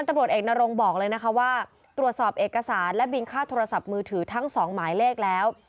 ตำรวจเอกนรงบอกเลยนะคะว่าตรวจสอบเอกสารและบินค่าโทรศัพท์มือถือทั้งสองหมายเลขแล้ว